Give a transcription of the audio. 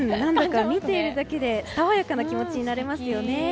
見ているだけで爽やかな気持ちになりますよね。